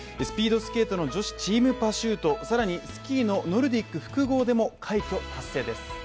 スピードスケートの女子チームパシュート、更にスキーのノルディック複合でも快挙達成です。